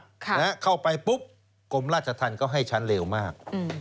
แล้วเข้าไปปุ๊บกรมราชทรัฐรรณ์ก็ให้ชั้นเลวมาก